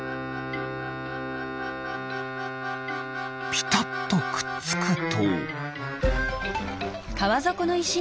ピタッとくっつくと。